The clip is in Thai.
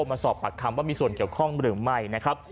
มาสอบปากคำว่ามีส่วนเกี่ยวข้องหรือไม่นะครับ